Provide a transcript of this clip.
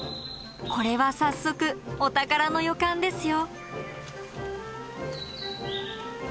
これは早速お宝の予感ですよ。